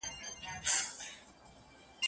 خاوند حق لري د کوروالې غوښتنه وکړي.